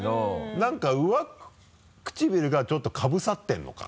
何か上唇がちょっとかぶさってるのか？